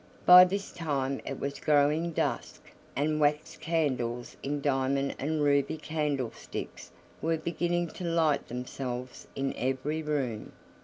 By this time it was growing dusk, and wax candles in diamond and ruby candlesticks were beginning to light themselves in every room.